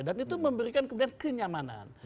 dan itu memberikan kemudian kenyamanan